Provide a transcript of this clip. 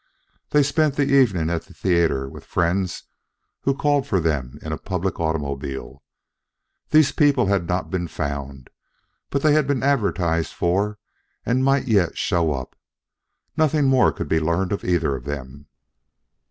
They spent the evening at the theater with friends who called for them in a public automobile. These people had not been found, but they had been advertised for and might yet show up. Nothing more could be learned of either of them.